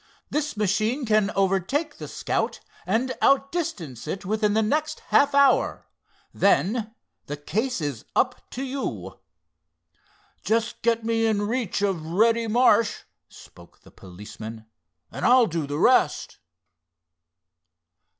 This machine can overtake the Scout and outdistance it within the next half hour. Then the case is up to you." "Just get me in reach of Reddy Marsh," spoke the policeman, "and I'll do the rest."